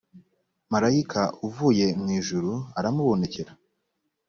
marayika uvuye mu ijuru aramubonekera